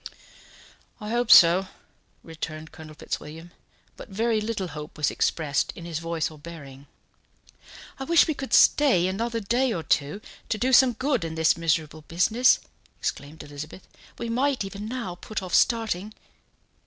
"I hope so," returned Colonel Fitzwilliam; but very little hope was expressed in his voice or bearing. "I wish we could stay another day or two, to do some good in this miserable business," exclaimed Elizabeth. "We might even now put off starting."